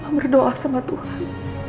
mama berdoa sama tuhan